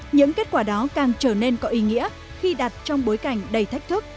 những kết quả đó càng trở nên có ý nghĩa khi đặt trong bối cảnh đầy thách thức